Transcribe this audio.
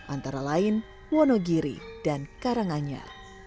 antara lain wonogiri dan karanganyar